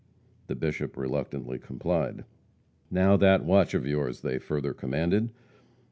The Bishop reluctantly complied. "Now that watch of yours!" they further commanded.